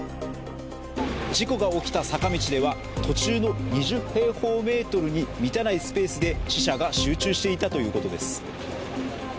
事故が起きた坂道では、途中の２０平方メートルに満たないスペースで死者が集中していたということです。